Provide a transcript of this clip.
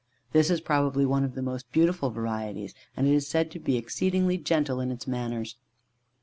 This is, probably, one of the most beautiful varieties, and it is said to be exceedingly gentle in its manners.